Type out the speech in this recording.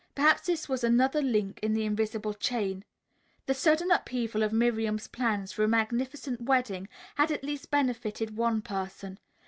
Perhaps this was another link in the invisible chain. The sudden upheaval of Miriam's plans for a magnificent wedding had at least benefited one person.